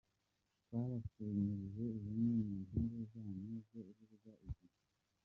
Twabakusanyirije zimwe mu nkuru zanyuze ku rubuga igihe.